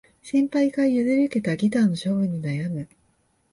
先輩から譲り受けたギターの処分に悩む